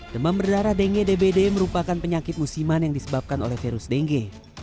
demam berdarah denge dbd merupakan penyakit musiman yang disebabkan oleh virus denge